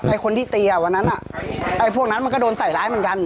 คนที่ตีอ่ะวันนั้นอ่ะไอ้พวกนั้นมันก็โดนใส่ร้ายเหมือนกัน